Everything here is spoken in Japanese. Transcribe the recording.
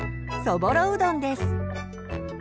そぼろうどんです。